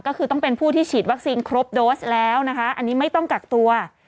ก็คือต้องเป็นผู้ที่ฉีดวัคซีนครบโดสแล้วนะคะอันนี้ไม่ต้องกักตัว